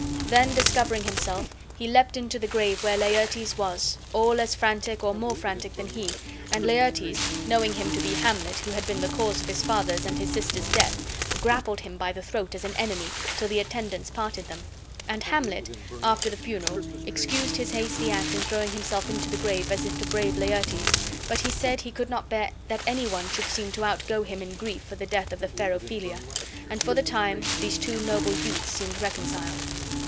Then discovering himself, he leaped into the grave where Laertes was, all as frantic or more frantic than he, and Laertes, knowing him to be Hamlet, who had been the cause of his father's and his sister's death, grappled him by the throat as an enemy, till the attendants parted them; and Hamlet, after the funeral, excused his hasty act in throwing himself into the grave as if to brave Laertes; but he said he could not bear that any one should seem to outgo him in grief for the death of the fair Ophelia. And for the time these two noble youths seemed reconciled.